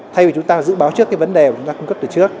thay vì chúng ta dự báo trước cái vấn đề mà chúng ta cung cấp từ trước